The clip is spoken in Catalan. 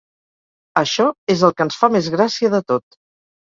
Això és el que ens fa més gràcia de tot.